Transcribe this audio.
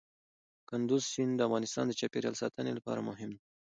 کندز سیند د افغانستان د چاپیریال ساتنې لپاره مهم دی.